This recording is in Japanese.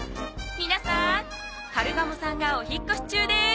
皆さんカルガモさんがお引っ越し中です。